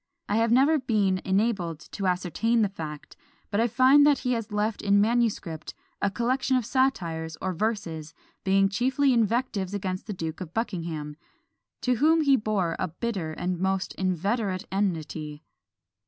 I have never been enabled to ascertain the fact; but I find that he has left in manuscript a collection of satires, or Verses, being chiefly invectives against the Duke of Buckingham, to whom he bore a bitter and most inveterate enmity.